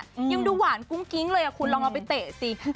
ฟุตบอลน่ะยังดูหวานกุ้งกิ้งเลยอ่ะคุณลองเอาไปเตะสิ